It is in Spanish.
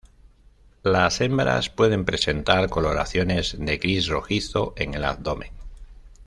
Las hembras pueden presentar coloraciones de gris rojizo en el abdomen.